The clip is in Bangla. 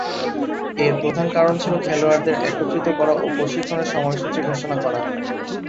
এর প্রধান কারণ ছিল খেলোয়াড়দের একত্রিত করা ও প্রশিক্ষণের সময়সূচী ঘোষণা করা।